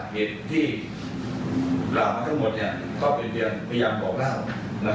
เหตุที่เร่ามาทั้งหมดก็เป็นเรื่องพยายามบอกร่าว